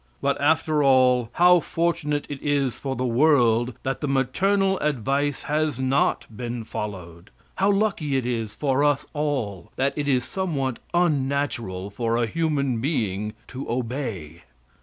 But, after all, how fortunate it is for the world that the maternal advice has not been followed! How lucky it is for us all that it is somewhat unnatural for a human being to obey!